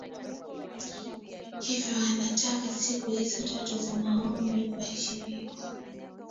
Hivyo anataka siku hizo tatu za maombi kuheshimiwa